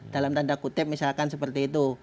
dalam tanda kutip misalkan seperti itu